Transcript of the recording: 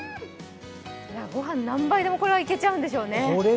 ごはん何倍でもいけちゃうんでしょうね、これ。